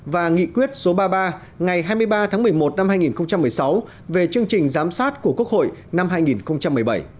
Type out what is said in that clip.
và nghị quyết số ba mươi ba ngày hai mươi ba tháng một mươi một năm hai nghìn một mươi sáu về chương trình giám sát của quốc hội năm hai nghìn một mươi bảy